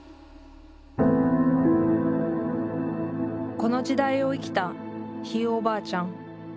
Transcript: この時代を生きたひいおばあちゃん。